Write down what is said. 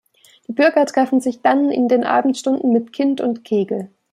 Die Bürger treffen sich dann in den Abendstunden mit Kind und Kegel.